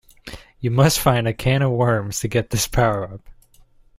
You must find a can of worms to get this power up.